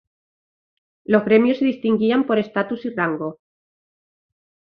Los gremios se distinguían por status y rango.